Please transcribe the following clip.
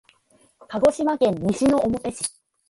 鹿児島県西之表市